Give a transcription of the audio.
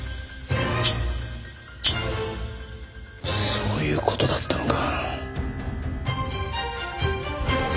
そういう事だったのか。